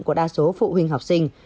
của đa số phụ huynh học sinh